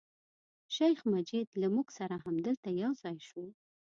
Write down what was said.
شیخ مجید له موږ سره همدلته یو ځای شو.